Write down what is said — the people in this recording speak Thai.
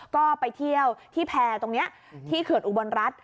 ก็ไปเที่ยวที่แพร่ตรงนี้ที่เขื่อนอุบลรัฐ